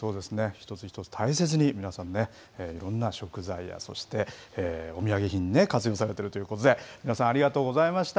一つ一つ大切に皆さんね、いろんな食材や、そしてお土産品に活用されてるということで、皆さん、ありがとうございました。